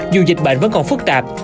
dù dịch bệnh vẫn còn phức tạp